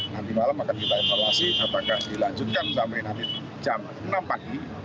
nanti malam akan kita evaluasi apakah dilanjutkan sampai nanti jam enam pagi